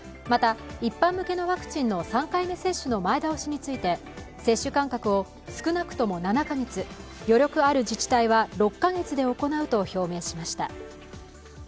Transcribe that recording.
また、一般向けのワクチンの３回目接種の前倒しについて接種間隔を少なくとも７カ月、余力ある自治体は６カ月で行うと表明しました。